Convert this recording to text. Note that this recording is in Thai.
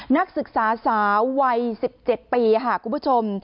นักศึกษาสาววัย๑๗ปีค่ะคุณผู้ชม